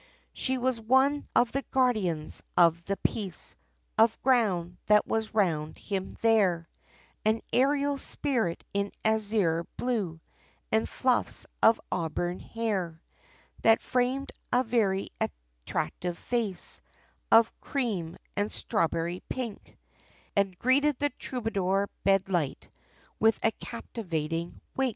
She was one of the guardians, of the piece Of ground, that was round him there, An ariel spirit in azure blue, And fluffs of auburn hair, That framed a very attractive face, Of cream, and strawberry pink, And she greeted the troubadour bedight, With a captivating wink!